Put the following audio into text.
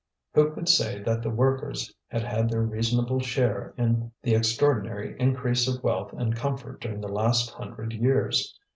Who could say that the workers had had their reasonable share in the extraordinary increase of wealth and comfort during the last hundred years?